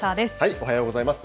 おはようございます。